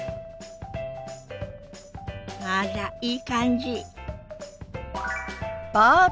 あらいい感じ。